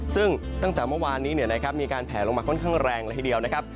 ซึ่งตั้งแต่เมื่อวานนี้มีการแผลลงมาค่อนข้างแรงเลยทีเดียวนะครับ